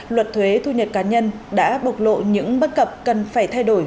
luật thuế thu nhập cá nhân đã bộc lộ những bất cập cần phải thay đổi